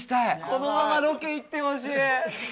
このままロケ行ってほしい！